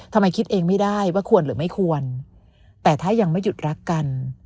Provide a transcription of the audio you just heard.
ทำไมคิดเองไม่ได้ว่าควรหรือไม่ควรแต่ถ้ายังไม่หยุดรักกัน